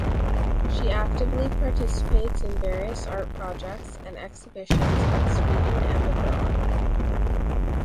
She actively participates in various art projects and exhibitions in Sweden and abroad.